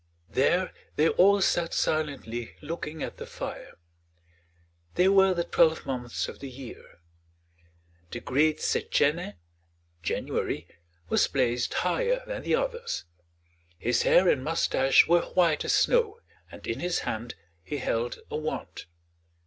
There they all sat silently looking at the fire. They were the twelve months of the year. The great Setchène (January) was placed higher than the others; his hair and mustache were white as snow, and in his hand he held a wand.